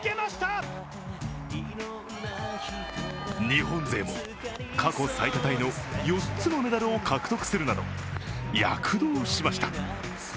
日本勢も過去最多タイの４つのメダルを獲得するなど躍動しました。